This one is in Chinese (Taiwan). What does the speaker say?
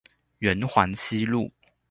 圓環西路